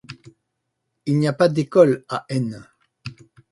Il n'y a pas d'école à Eyne.